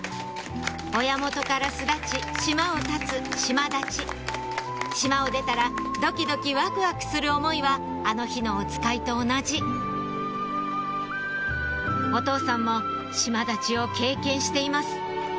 親元から巣立ち島を立つ島立ち島を出たらドキドキワクワクする思いはあの日のおつかいと同じお父さんも島立ちを経験しています